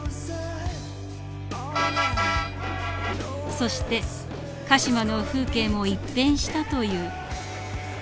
そして鹿島の風景も一変したという。